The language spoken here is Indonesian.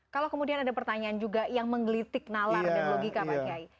kalau kemudian ada pertanyaan juga yang menggelitik nalar dan logika pak kiai